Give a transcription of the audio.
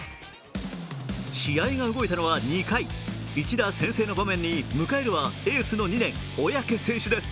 試合が動いたのは２回、一打先制の場面に向かえるはエースの２年、小宅選手です。